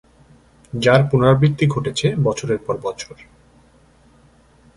যার পুনরাবৃত্তি ঘটেছে বছরের পর বছর।